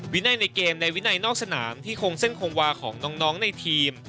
วินัยในเกมในวินัยนอกสนามที่คงเส้นคงวาของน้องในทีม